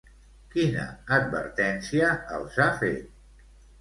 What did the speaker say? Quina advertència els ha fet?